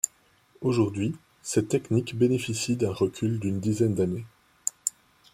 Aujourd'hui, cette technique bénéficie d'un recul d'une dizaine d'années.